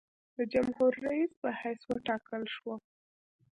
د جمهورریس په حیث وټاکل شوم.